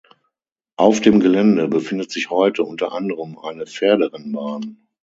Auf dem Gelände befindet sich heute unter anderem eine Pferderennbahn.